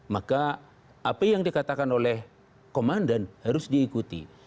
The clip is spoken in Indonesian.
maka apa yang dikatakan oleh komandan harus diikuti